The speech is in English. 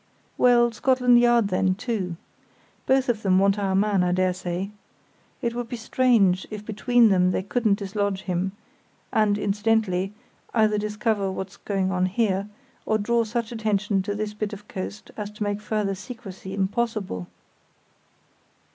"Well, Scotland Yard, too, then. Both of them want our man, I dare say. It would be strange if between them they couldn't dislodge him, and, incidentally, either discover what's going on here or draw such attention to this bit of coast as to make further secrecy impossible."